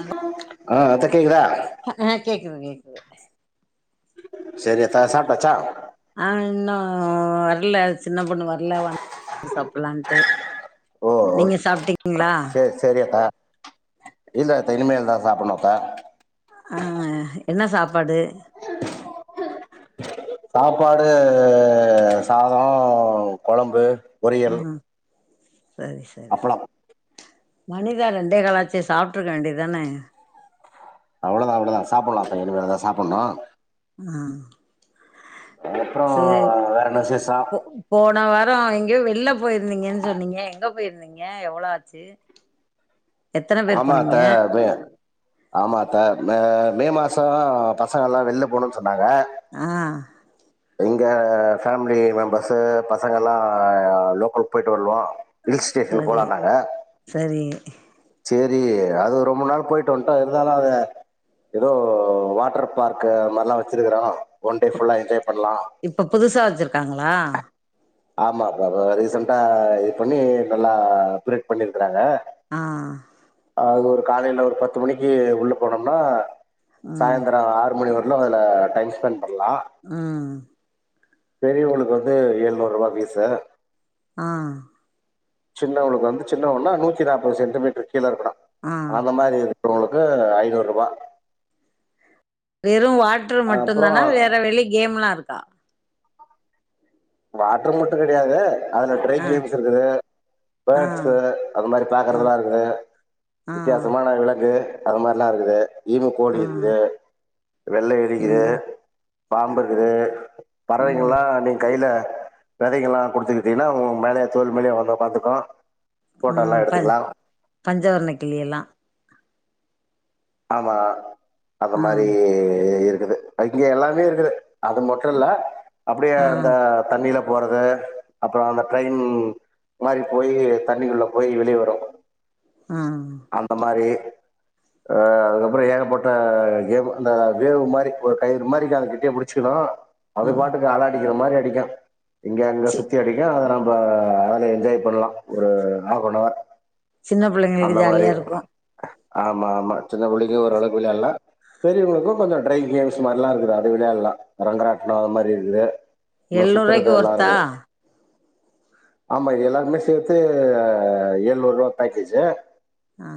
அதா ஆ அத்த கேக்குதா ஹ ஆ கேக்குது கேக்குது சேரி அத்த சாப்டாச்சா ஆ இன்னும் வரல சின்ன பொன்னு வரல வந்த சாப்பிலான்ட்டு ஓ சேரி சேரியத்த இல்லத்த இனிமேல் தா சாப்பினுத்த ஆ என்ன சாப்பாடு சாப்பாடு சாதோ கொழம்பு ஆ சேரி சேரி சேரி அப்பளம் மணிதா ரெண்டே காலாச்சே சாப்ட்டுருக்க வேண்டியதானே அவ்வளதா அவ்ளோதா சாப்பிடலாத்த இனிமே தா சாப்பிடணும் ஆ அப்புறம் சேரி வேற என்ன விசேஷம் போ போன வாரோ எங்கேயோ வெள்ல போயிருந்தீங்கன்னு சொன்னீங்க எங்க போயிருந்தீங்க எவ்ளோ ஆச்சு எத்தன பேர் ஆமாத்த போனீங்க அது ஆமாத்த மே மாசோ பசங்க எல்லாம் வெளில போணுன்னு சொன்னாங்க ஆ எங்க ஃபேமிலி மெம்பர்ஸ்ஸு பசங்கல்லா லோக்கலுக்கு போயிட்டு வந்தோ ஆ சரி சரி சேரி அது ரொம்ப நாள் போயிட்டு வந்துட்டோ இருந்தாலும் அத ஏதோ வாட்டர் பார்க்கு மாரிலா வச்சிருக்கறான் ஒன்டே ஃபுல்லா என்ஜாய் பண்ணலாம். இப்ப புதுசா வச்சிருக்காங்களா ஆமாப்பா ரீசன்ட்டா இது பண்ணி நல்லா பிரியட் பண்ணியிருக்கறாங்க ஆ அது ஒரு காலையில ஒரு பத்து மணிக்கு உள்ள போனோம்னா ம் சாயந்தரம் ஆறு மணி வர என்ன அதுல டைம் ஸ்பெண்ட் பண்ணலாம். ம் பெரியவங்ளுக்கு வந்து எழுநூறு ரூபா பீஸ்ஸு ஆ சின்னவங்களுக்கு வந்து சின்னவன்னா நூத்தி நாற்பது சென்டிமீட்டர் கீழ இருக்கணும் ஆ அந்த மாரி இரு இருக்குறவங்களுக்கு ஐநூரூபா வெறும் வாட்ரு அப்புறம் மட்டும்தானா வேற வெளி கேம்லா இருக்கா வாட்ரு மட்டும் கடையாது அதுல ட்ரை ஆ கேம்ஸ் இருக்குது ஆ பேர்ட்ஸ் அந்த மாரி ஆ பாக்குறதுலா இருக்குது ஆ வித்தியாசமான விலங்கு அது மாரிலா இருக்குது ஈமு கோழி ஆ இருக்குது வெள்ள எலி இருக்குது ம் பாம்பு இருக்குது ம் பறவைகல்லா நீங்க கையில வெதைகல்லா குடுத்துக்கிட்டீங்கன்னா உங்க மேல தோல்மேலையே வந்த உக்காந்துக்கோ ம் ப பஞ்சவர்ண கிளி எல்லா ஆமா அந்த ஆ மாதிரி இருக்குது இங்க எல்லாமே இருக்குது அது மட்டு இல்ல அப்டியே ஆ இந்த தண்ணில போறது அப்புற அந்த ட்ரெயின் மாதிரி போய் தண்ணிக்குள்ள போய் வெளியே வரு ம் அந்த மாறி அ அதுக்கப்புற ஏகப்பட்ட க அந்த வேவு மாதிரி ஒரு கயிறு மாதிரி அது கெட்டியா புடிச்சிக்கணு ஆ அது பாட்டுக்கு அல அடிக்கிற மாதிரி அடிக்கு இங்க அங்க சி சுத்தி அடிக்கு நம்ப அத என்ஜாய் பண்ணலா ஒரு ஆஃப் நவர் சின்ன பிள்ளைங்களுக்கு அந்த மாறி ஜாலியா இருக்கு ஆமாமா சின்ன பிள்ளைக்கு ஓரளவுக்கு வெளையாடலா பெரியவங்களுக்கு கொஞ்ச ட்ரை கேம்ஸ் மாதிரில்லா இருக்குது அது விளையாடலா ரங்கராட்டண அது மாதிரி இருக்கு இன்னு எழுநூறுவாய்க்கு சுத்துறது எல்லா ஒர்த்தா இருக்கு ஆமா எல்லாமே சேத்து எழுநூறு ரூபா பேக்கேஜ் ஆ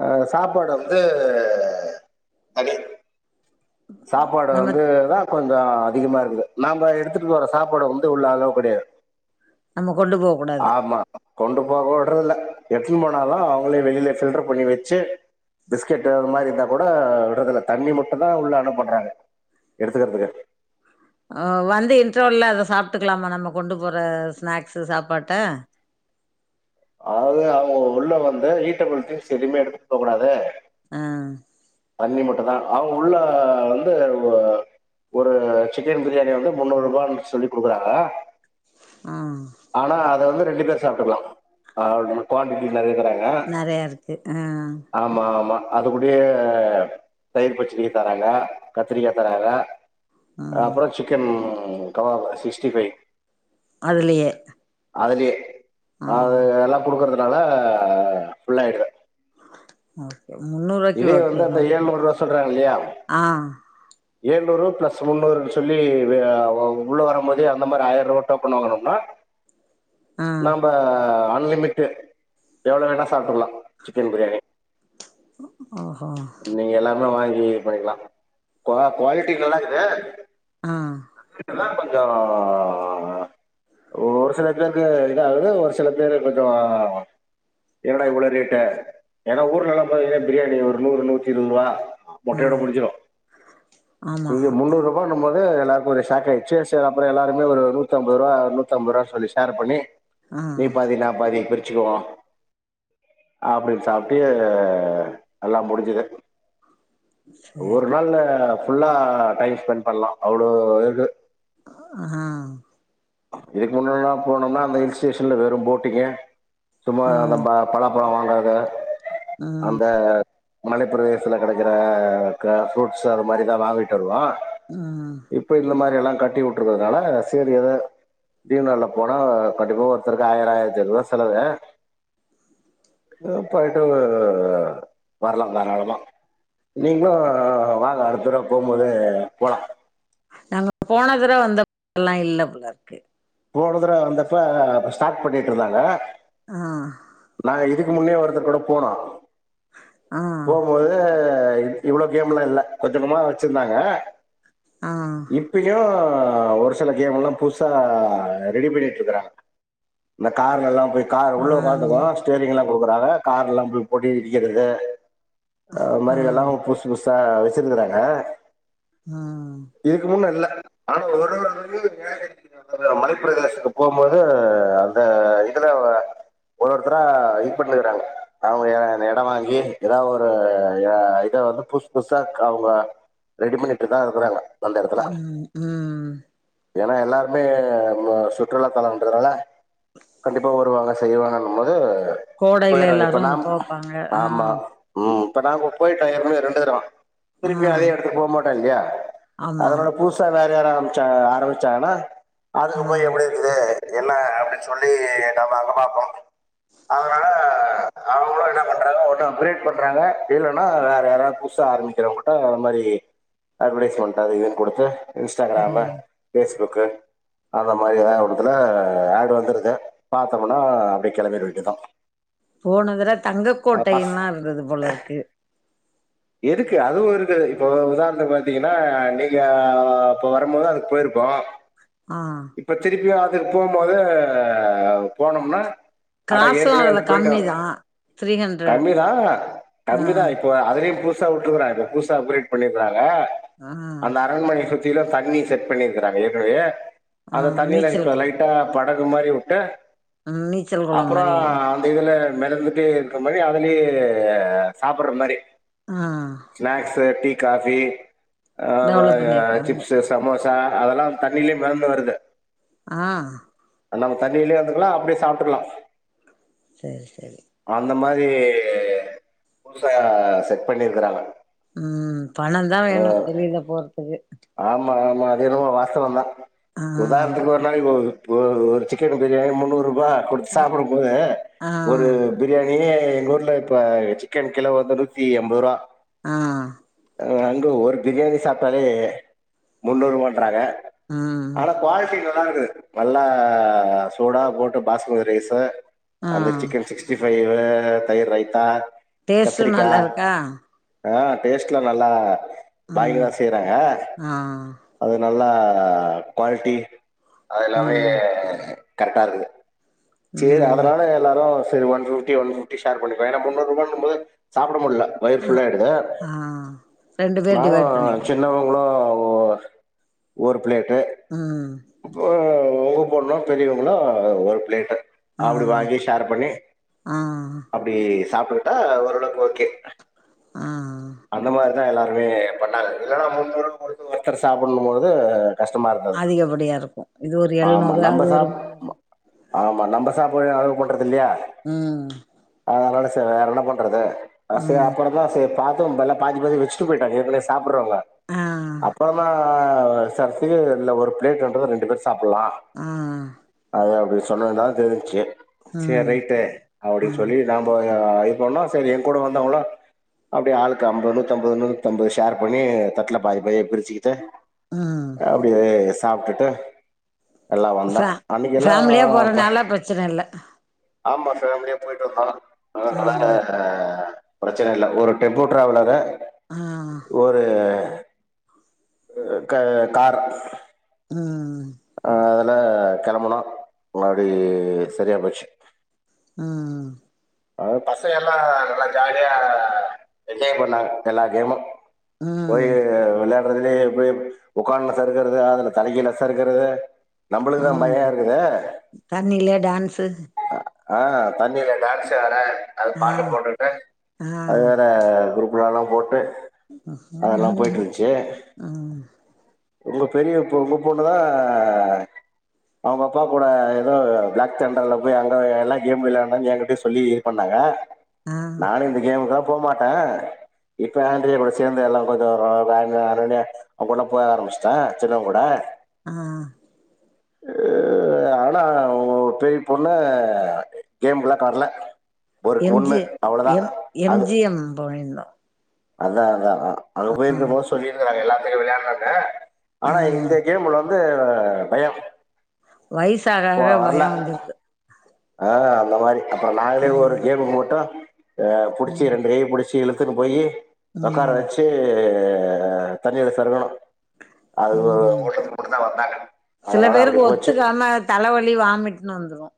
அ சாப்பாடு வந்து தனி சாப்பாடு நம்ம வந்து தா கொஞ்ச அதிகமா இருக்குது நாம எடுத்துட்டு வர சாப்பாடு வந்து உள்ள அளவ்ட் கிடையாது நம்ம கொண்டு போக கூடாது ஆமா கொண்டு போவ விட்றதுல்ல எடுதுட்டுன்னு போனாதா அவங்களே வெளியில ஃபில்டர் பண்ணி வச்சு பிஸ்கெட் அந்த மாதிரி இருந்தா கூட விடடறதுல்ல தண்ணி மட்டுந்தா உள்ள பண்றாங்க எடுத்துக்கறதுக்கு அ வந்து இன்ட்ர்வல்ல அத சாப்பிட்டுக்கலாமா கொண்டு போற ஸ்நாக்ஸ் சாப்பாட்ட அதாவது அவங்க உள்ள வந்து ஈட்டபிள்ஸ்‌திங்கஸ் எதுமே எடுத்துட்டு போ கூடாது ஆ தண்ணி மட்டுந்தா அவங்க உள்ள வந்து ஒரு சிக்கன் பிரியாணி வந்து முன்னூறு ரூபான்னு சொல்லி குடுக்குறாங்க ஆ ஆனா அத வந்து ரெண்டு பேரு சாப்பிட்டுக்கலா குவான்டிட்டி நெறைய தராங்க நிறைய இருக்கு ஆ ஆமாமா அது கூடயே தயிர் பச்சிடி தராங்க கத்திரிக்கா தராங்க ஆ அப்புற சிக்கன் கபாப் சிக்ஸ்டி ஃபைவ் அதுலேயே அதுலயே அது எல்லா குடுக்கறதுனால ஃபுல்லாயிடுது ஆ முன்னூரு இதே வந்து அந்த ஏழுநூறு ரூபா சொல்றாங்க இல்லையா ஆ ஏழுநூறு ப்ளஸ் முன்னுரு சொல்லி உள்ள வரும் போதே அந்த மாதிரி ஆயிர ரூபா டோக்கன் வாங்கனும்னா ஆ நாம்ப அன்லிமிட்டு எவ்ளோ வேணா சாப்பிட்டுகலா சிக்கன் பிரியாணி ஆஹா நீங்க எல்லாமே வாங்கி இது பண்ணிக்கலா கு குவாலிட்டி நல்லாருக்குது ஆ அன்லிமிடெட் தா கொஞ்ச ஒரு சில பேருக்கு இதாகுது ஒரு சில பேருக்கு கொஞ்ச என்னடா இவ்ளோ ரேட்டு ஏனா ஊர்ல எல்லா பிரியாணி ஒரு நூரு நூத்தி இருபது ரூபா ஆ மொட்டையோட முடிஞ்சிடு ஆமா இங்க முன்னூர் பானு போது எல்லாருக்கு ஒரு சாக் ஆய்ச்சு செரி அப்ற எல்லாருமே ஒரு நூத்தம்ரூவா நூத்தம் ரூவா சொல்லி ஷேர் பண்ணி ஆ நீ பாதி நா பாதி பிரிச்சுக்குவோ அப்டின் சாப்ட்டு எல்லா முடுஞ்சுது சரி ஒரு நாள்ல ஃபுல்லா டைம் ஸ்பெண் பண்லா அவ்ளோ இருகு ஆ இதுக்கு முன்னன்னா போனம்னா அந்த ஹில் ஸ்டேஷன்ல வெறும் போட்டிங்கு சும்மா அந்த ம் ம பாலாப்பழ வாங்கறது ம் அந்த மலைப்பிரதேசத்துல கெடைக்கிற க ஃப்ரூட்ஸ் அது மாரிதா வாங்கிட்டு வருவோ ம் ம் இப்ப இந்த மாரி எல்லா கட்டி வுட்டுருக்கறதுனால சேரி எத லீவு நாள்ல போனா கண்டிப்பா ஒருத்தருக்கு ஆயர் ஆயர்த்தி ஐநூற்வா செலவு அ போய்ட்டு வரலாம் தாராளாமா நீங்ளு வாங்க அடுத்ததடவ போம்போது போலா நாங்க போன தடவ வந்தப்பல்லா இல்லபோல இருக்கு போன தடவ வந்தப்ப ஸ்டார்ட் பண்ணிட்டு இருந்தாங்க ஆ நா இதுக்கு முன்னே ஒருத்தர் கூட போனோ ஆ போம்போது இவ்வளோ கேம்லா இல்ல கொஞ்சனமா வச்சிருந்தாங்க ஆ இப்பயு ஒரு சில கேம்ல்லா புதுசா அ ரெடி பண்ணிட்டு இருக்றாங் இந்த கார்கள்லா போய் கார் உள்ள ஒக்காரதுக்கு ஸ்டேரிங் எல்லா குடுக்கறாங்க கார் எல்லாம் இப் போட்டு இடிக்கிறது அது ஆ மாரி எல்லா புஸ் புதுசா வச்சிருக்கறாங்க அ இதுக்கு முன்ன இல்ல ஆனா ஒரளவு மலைப்பிரதேசத்துக்கு போம்போது அந்த இதுல ஒரு ஒருத்ரா வெயிட் பண்ணுகிறாங் அவுங்க எ எடோ வாங்கி எதா ஒரு அ இத வந்து புசு புசா க அவுங்க ரெடி பண்ணிட்டு தா இருக்கறாங்க அந்த எடத்துல ம் ம் ஏனா எல்லாருமே அ மு சுற்றுலா தலன்றதுனால கண்டிப்பா வருவாங்க செய்வாங்கங்கும்போது கோடையில போயர்றாங்க இப்ப எல்லாரு நாம் போப்பாங்க ஆ ஆம்மா ம் இப்ப நா ப்ப போயிட்டே ஏற்கனவே ரெண்டுதரவ ஆ திருப்பியு அதே எடத்துக்கு போமாட்டே இல்லையா ஆமா அதனால புதுசா வேற யார ஆம்ச்சா ஆரம்பிச்சாங்ன்னா அதுக்கு ஆ போய் எப்படி இருக்குது என்ன அப்படின் சொல்லி நம்ம அங்க பாப்போ அதுனால அவுங்களு என்ன பண்றாங்க ஒன்னு அப் க்ரேடு பண்றாங்க இல்லன்னா வேற யாராது புதுசா ஆரம்பிக்கிற ட்ட அது மாரி அட்வடைஸ்மண்ட் அதிகங் குடுத்து இன்ஸ்டாகிராம ம் ஃபேஸ்புக்கு அந்த மாரி எதா ஒன்னுத்துல ஏடு வந்துருது பாத்தம்னா அப்டியே கெளம்பிற வேண்டி தா போன தடவ பஸ் தங்கக்கோட்டைன் லா இருந்தது போல இருக்கு இருக்கு அதுவு இருக்கு இப்போ உதாரணத்துக்கு பாத்தீங்கன்னா நீங்க அப்போ வரும்போது அதுக்கு போயிருப்போ ஆ இப்ப திருப்பியு அதுக்கு போம் போது போனம்னா அட காசு ஏற்கனவே அதுல அதுக் போய்ட்டோ கம்மிதா த்ரீ ஹண்ட்ரட் கம்மிதா ஆ கம்மிதா இப்போ அதுலயும் பூ சா விட்டுக்கறாரு புதுசா அப்ரேட் பண்ணிட்றாங்க ஆ அந்த அரண்மனைய சுத்தி திலு தண்ணி செட் பண்ணிருக்காங்க ஏற்கனவே ஆ அந்த தண்ணியில நீச்சல் இப்ப குளோ லைட் டா படகு மாரி விட்டு ம் நீச்சல் குளோ அப்புறோ மாரி இதுல மிதந்துட்டே இருக்கிற மாரி அதுலயே சாப்பற மாரி ஆ ஸ்நாக்ஸ் டீ காஃபி அ டெவலப் பண்ணிருக்காங்க சிப்ஸ் சமோசா அதெல்லா தண்ணிலே மெதந்து வருது ஆ அது நம்ம தண்ணியிலே வந்துக்கலா அப்டியே சாப்ட்டுக்கலா சேர் சேரி அந்த மாரி புதுசா செட் பண்ணிருக்கறாங்க ம் பணந்தா வேணு வெளில போறதுக்கு ஆமா ஆமா அது என்னமோ வாஸ்தவந்தா ஆ உதாரணத்துக்கு ஒரு நாளைக்கி போது ஒரு ஒரு சிக்கன் பிரியாணி முன்னூறு ரூபா குடுத்து அ சாப்பிடும்பது ஆ ஒரு பிரியாணி பிரியாணி எங்க ஊர்ல இப்ப சிக்கன் கிலோ வந்து நூத்தி எம்பது ரூவா ஆ அங்க ஒரு பிரியாணி சாப்ட்டாலே முந்நூறுவான்றாங்க ம் ஆனா குவாலிட்டி நல்லா இருக்குது நல்லா சூடா போட்டு பாஸ்மதி ரைஸு ஆ அந்த சிக்கன் சிக்ஸ்டி ஃபைவ் தயிர் ரைத்தா டேஸ்ட்டு கத்திரிக்கா நல்லா இருக்கா ஆ டேஸ்ட்ல நல்லா பாய்ங்க ம் தா செய்றாங்க ஆ அது நல்லா குவாலிட்டி அதுனாலே ம் கரெக்டா இருக்குது செரி ம் அதனால எல்லாரு செரி one fifty one fifty share பண்ணிக்குவோ ஏனா முன்னூறுவானும்போது சாப்புட முடில வயிர் ஆ ஃபுல்லாயிடுது ஆ ரெண்டு பேர் நானு டிவைட் பண்ணிக்கிறது சின்ன வங்களும் ஒரு பிளேட்டு ம் அப்ப உங்க பொண்ணு பெரியவுங்களு ஒரு பிளேட்டு ஆ அப்டி வாங்கி ஷேர் பண்ணி ஆ அப் டி சாப்டுகிட்டா ஓரளவுக்கு ஓகே ஆ அந்த மாரி தா எல்லாருமே பண்ணாங்க இல்லைன்னா முன்னூறு குடுத்து ஒருத்தர் சாப்புடுனும்போது அதிகப்படியா இருக்கு இது ஒரு எழ்நூறு ஆமாம் அது நம்ம ஒரு சாப் முன்னூறு ஆமா நம்ம சாப்பாடயு அளோ பண்றது இல்லையா ம் அதனால செர் வேற என்ன பண்றது சரி ம் அப்பறோதா சரி பாத்தும் பல பாதி பாதி வெச்சுட்டு போயிட்டாங்க ஏற்கனே சாப்புறவங்க ஆ அப்றமா [unintelligible] இல்ல ஒரு பிளேட்டு வாங்குனா ரெண்டு பேர் சாப்பிலா ஆ அது அப்டி சொன்னனால தெரிஞ்சிச்சு சேர் ம் ரைட்டு அப்டின்னு ம் சொல்லி நாம இது போனா செரி எ கூட வந்தவுங்களா அப்படியே ஆளுக்கு அம்பது நூத்தம்பது நூத்தம்பது ஷேர் பண்ணி தட்ல பாதி பாதியா பிரிச்சுக்கிட்டு ம் அப்டியே சாப்டுட்டு எல்லா வந்தா ஃபே அன்னைக்கி எல்லா ஃபேமிலியா ப போறனால பிரச்சன இல்ல ஆமா ஃபேமிலியா போயிட்டு வந்தோ அதனால ம் ப்ரெச்சன இல்ல ஒரு டெம்போ ட்ராவலர ஆ ஒரு க கார் ம் அதுல கெளம்புனோ போ அப்டி செரியா போச்சு அ அதாது பசங்கல்லா நல்லா ஜாலியா என்ஜாய் பண்ணாங்க எல்லா கேமு அ படுத்துனே போய் உக்கானு சருக்குறது அதுல தலைகீழ சருக்குறது நம்பளுக்குதா ம் பய இருக்குதே தண்ணிலே டான்ஸு ஆ தண்ணில டான்ஸு ஆட அது ஆ பாட்டு போட்டுவுட்டு ஆ அது வேற குரூப்புலலா போட்டு அதெல்லா ம் போயிட்டுருந்ச்சு உங்க பெரிய பொ உங்க பொ ண்ணுதா அவுங்க அப்பா கூட எதோ பிளாக் தண்டரில போய் அங்க எல்லா கேம் விள்யாண்டன் என்கிட்ட சொல்லி இது பண்ணாங்க ஆ நானு இந்த கேமுக்குலா போ மாட்டே இப்ப ஆண்டிகள் கூட சேந்து எல்லா கொஞ்சோ வரு [unintelligible] அவ்ங் கூட்லா போக ஆரம்பிஷ்ட்டே சின்னவங்கூட ஆ ஆ ஆனா ஆ உங்களோட பெரிய பொண்ணு கேம் குள்ள வர்ல ஒரு ஒன்னு அவ்ளோதா அது யம் போயிருந்தோ அதா அதா அங்க ஆ போயிருக்கும் போது சொல்லியிருக்குறாங்க எல்லாத்லியு விள்யானுன்னு ஆ ஆனா இந்த கேம் உள்ள வந்து பயோ வய்சாக ஆகா பயோ வந்திருது ஆ அந்த மாரி அப்புறோ நாங்களே ஒரு ம் கேமு மட்டு அ புடிச்சி ம் ரெண்டு கைய புடிச் சி இழுத்துன்னு போயி உக்கார ம் வெச்சு அ தண்ணியில சருக்குணோ அது ஒரு ம் ஓட்டத்துக்கு மட்டுந்தா வந்தாங்க சில அதனால பேருக்கு அப்டி போச்சு ஒத்துக்காம தலவலி வாமிட்ன்னு வந்துரு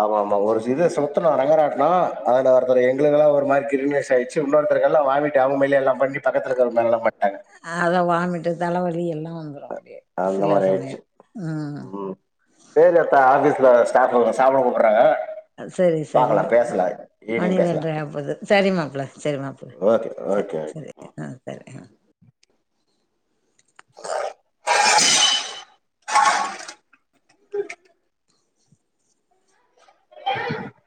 ஆமா ஆமா ஒரு இது சுத்தணோ ரங்கராட்டனோ அதுல ஒருத்தரு எங்களுக்குலா ஒரு மாரி கிர்ருன்மேர்சாய்ச் சி இன்னோருத்தருகெல்லா வாமிட்டு அவுங்க மட்ல எல்லாம் பண்ணி பக்கத்துலகிறங் மேலலா பண்டாங்க அதா வாமிட்டு தலவலி எல்லா வந்துரு அப்டியே அந்த சில மாரி சமயோ ஆயிடுச்சு ம் சேரி அத்த ஆஃபீஸ்ல ஸ்டாஃபுங்க சாப்பிட கூப்புட்றாங்க செரி செரி பாக்கலா பேசலா மணி ஈவினிங் பேசலா ரெண்ட்ரை ஆவ போது சரி மாப்ள சரி மாப்ள ஓகே சரி ஓகே ஓகே சரி மா ஆ சரி [inaudible] [inaudible]